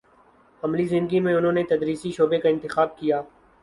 عملی زندگی میں انہوں نے تدریسی شعبے کا انتخاب کیا